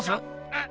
うん？